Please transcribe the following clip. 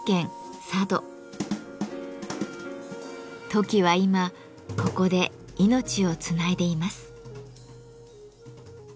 トキは今ここで命をつないでいます。